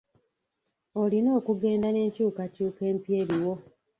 Olina okugenda n'enkyuukakyuuka empya eriwo.